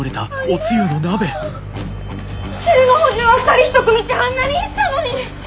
汁の補充は２人一組ってあんなに言ったのに！